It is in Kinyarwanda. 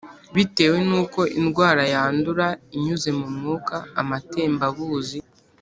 bitewe n’ uko indwara yandura inyuze mu mwuka, amatembabuzi…